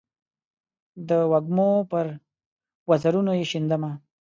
د وږمو پر وزرونو یې شیندمه